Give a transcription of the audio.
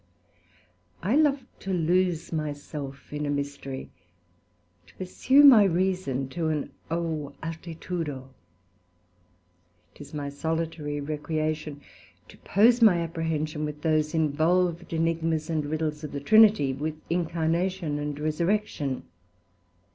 I love to lose my self in a mystery, to pursue my Reason to an O altitudo! 'Tis my solitary recreation to pose my apprehension with those involved Ænigma's and riddles of the Trinity, with Incarnation, and Resurrection.